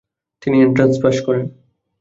তিনি entrance pass করেন।